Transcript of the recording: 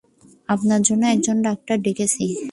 আপনার জন্য একজন ডাক্তার ডেকেছি।